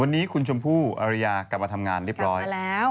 วันนี้คุณชมพู่อริยากลับมาทำงานเรียบร้อยแล้ว